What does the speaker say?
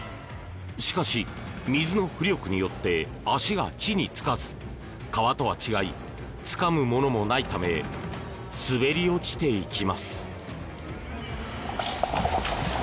しかし、水の浮力によって足が地につかず川とは違いつかむものもないため滑り落ちていきます。